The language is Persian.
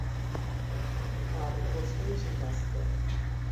ابرپشتهای شکسته